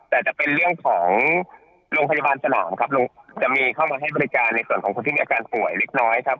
แต่จะเป็นเรื่องของโรงพยาบาลสนามครับจะมีเข้ามาให้บริการในส่วนของคนที่มีอาการป่วยเล็กน้อยครับ